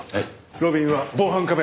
路敏は防犯カメラ頼む。